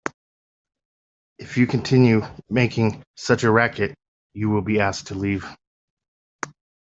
If you continue making such a racket, you will be asked to leave.